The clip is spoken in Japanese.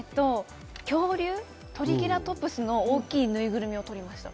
恐竜、トリケラトプスの大きいぬいぐるみを取りました。